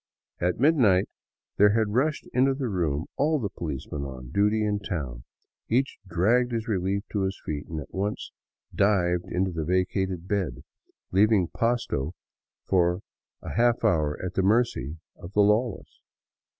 At midnight there had rushed into the room all the policemen on duty in town. Each dragged his relief to his feet and at once dived into the vacated " bed," leaving Pasto for a half hour at the mercy of the law less.